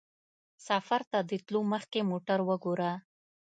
سفر ته د تلو مخکې موټر وګوره.